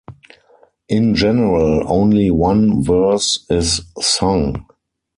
In general, only one verse is sung.